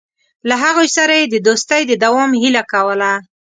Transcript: له هغوی سره یې د دوستۍ د دوام هیله کوله.